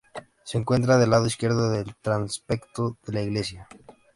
Se encuentra del lado izquierdo del transepto de la Iglesia.